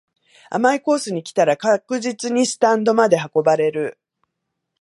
甘いコースに来たら確実にスタンドまで運ばれる